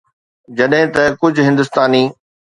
جڏهن ته ڪجهه هندستاني